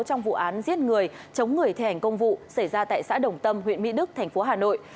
trong vụ án giết người chống người thể hành công vụ xảy ra tại xã đồng tâm huyện mỹ đức tp hà nội